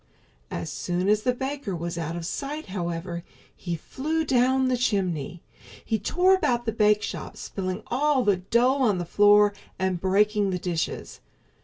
As soon as the baker was out of sight, however, he flew down the chimney. He tore about the bakeshop, spilling all the dough on the floor and breaking the dishes.